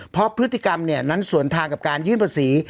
เพราะพฤติกรรมนั้นสวนทางกับการยื่นภาษี